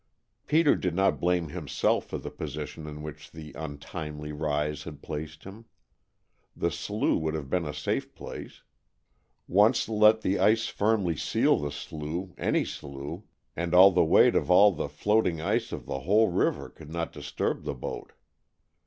Peter did not blame himself for the position in which the untimely rise had placed him. The slough should have been a safe place. Once let the ice firmly seal the slough any slough and all the weight of all the floating ice of the whole river could not disturb the boat.